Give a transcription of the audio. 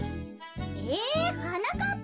えはなかっぱ